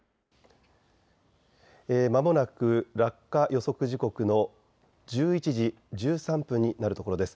まもなく落下予測時刻の１１時１３分になるところです。